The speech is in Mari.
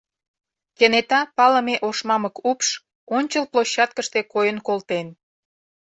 Кенета палыме ош мамык упш ончыл площадкыште койын колтен.